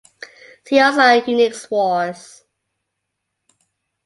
See also Unix wars.